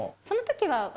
その節は。